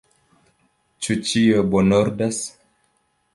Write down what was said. Ĉu ĉio bonordas?